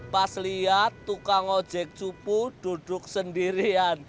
pas lihat tukang ojek cupu duduk sendirian